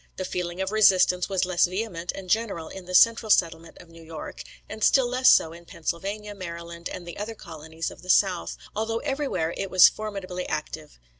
The feeling of resistance was less vehement and general in the central settlement of New York; and still less so in Pennsylvania, Maryland, and the other colonies of the south, although everywhere it was formidably active.